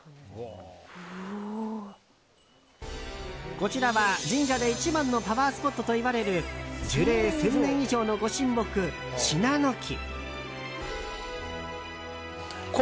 こちらは神社で一番のパワースポットといわれる樹齢１０００年以上のご神木シナノキ。